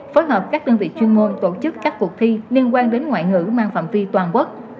phối hợp các đơn vị chuyên môn tổ chức các cuộc thi liên quan đến ngoại ngữ mang phạm vi toàn quốc